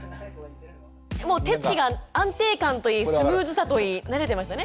もう手つきが安定感といいスムーズさといい慣れてましたね。